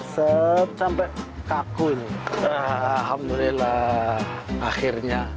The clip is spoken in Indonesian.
ya sampai kaku nih alhamdulillah akhirnya